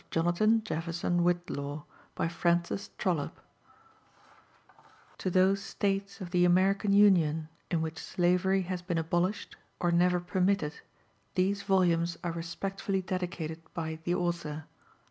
mUE EI<»ELIBD ; LIBRAIBIB DEB ETRANUBBI, TO THOSE STATES OF THE AMERICAN UNION IN WHICH SLAVERY HA'8 BEEN 'ABOLISHED,* OR NEVER PERMITTED, < THESE VOLUMES ARE RESPECTFULLY DEDICATED BY THE AUTHOR.